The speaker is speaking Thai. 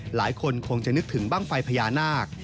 หลายคนคงจะนึกถึงบ้างไฟพญานาค